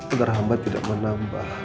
agar amba tidak menambah